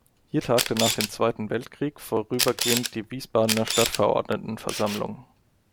Hier tagte nach dem Zweiten Weltkrieg vorübergehend die Wiesbadener Stadtverordnetenversammlung.